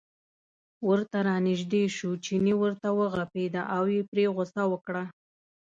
ورته را نژدې شو، چیني ورته و غپېده او یې پرې غوسه وکړه.